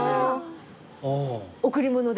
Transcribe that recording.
贈り物で。